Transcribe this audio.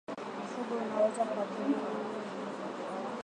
Mifugo inaweza kuathiriwa kwa kumeza matone kutoka kwa mnyama aliyeathirika